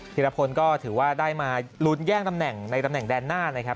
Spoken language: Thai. ีรพลก็ถือว่าได้มาลุ้นแย่งตำแหน่งในตำแหน่งแดนหน้านะครับ